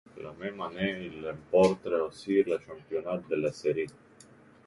La même année, il remporte aussi le championnat de la série.